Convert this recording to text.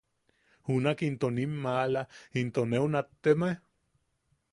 Junak into nim maala, “¿into neu nattemae?”